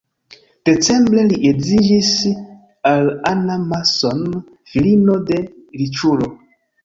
Decembre li edziĝis al Anna Mason, filino de riĉulo.